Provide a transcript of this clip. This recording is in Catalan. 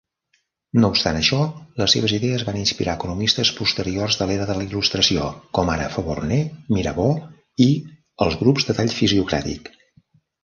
No obstant això, les seves idees van inspirar economistes posteriors de l"era de la il·lustració, com ara Forbonnais, Mirabeau i els grups de tall fisiocràtic.